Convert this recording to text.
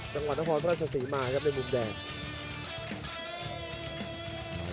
จังหวัดนครราชศรีมาครับในมุมแดง